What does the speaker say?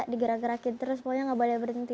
digerak gerakin terus pokoknya nggak boleh berhenti